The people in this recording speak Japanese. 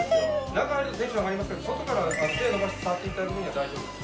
中に入るとテンション上がりますから外から手を伸ばして触って頂く分には大丈夫です。